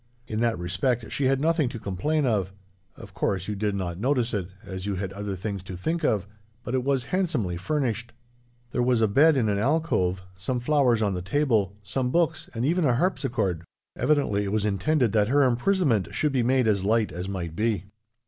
"In that respect, she had nothing to complain of. Of course, you did not notice it, as you had other things to think of, but it was handsomely furnished. There was a bed in an alcove, some flowers on the table, some books, and even a harpsichord evidently it was intended that her imprisonment should be made as light as might be.